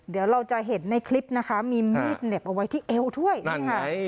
เดี๋ยวเราจะเห็นในคลิปนะคะมีมีดเหน็บเอาไว้ที่เอวด้วยนี่ค่ะ